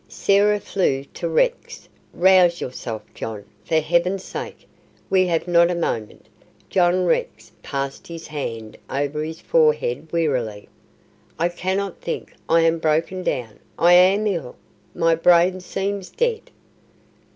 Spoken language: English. Sarah flew to Rex. "Rouse yourself, John, for Heaven's sake. We have not a moment." John Rex passed his hand over his forehead wearily. "I cannot think. I am broken down. I am ill. My brain seems dead."